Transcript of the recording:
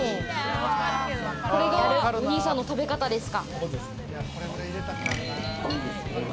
これがお兄さんの食べ方ですか？